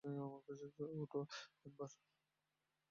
ওঠো, এম্বার।